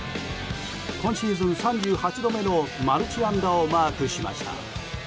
今シーズン３８度目のマルチ安打をマークしました。